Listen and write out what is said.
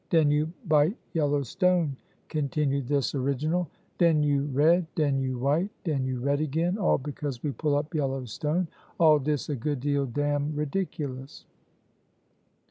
den you bite yellow stone," continued this original, "den you red, den you white, den you red again, all because we pull up yellow stone all dis a good deal dam ridiculous."